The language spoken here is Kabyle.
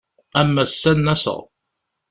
Am ass-a ad n-aseɣ.